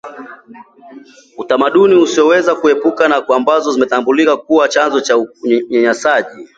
utamaduni asizoweza kuepuka na ambazo zimetambuliwa kuwa chanzo cha unyanyasaji